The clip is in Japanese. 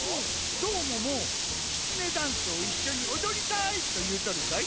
どーもも「きつねダンス」をいっしょにおどりたい！というとるぞい。